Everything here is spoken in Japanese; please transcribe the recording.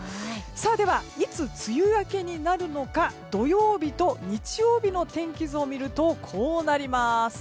では、いつ梅雨明けになるのか土曜日と日曜日の天気図を見るとこうなります。